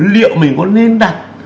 liệu mình có nên đặt